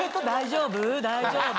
大丈夫？